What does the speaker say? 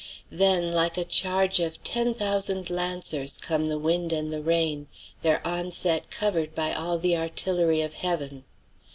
Then, like a charge of ten thousand lancers, come the wind and the rain, their onset covered by all the artillery of heaven.